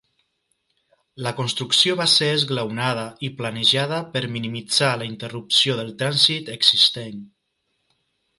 La construcció va ser esglaonada i planejada per minimitzar la interrupció del trànsit existent.